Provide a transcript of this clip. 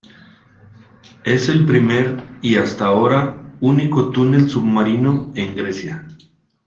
Es el primer y hasta ahora único túnel submarino en Grecia.